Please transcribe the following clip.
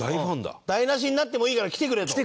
台無しになってもいいから来てくれと。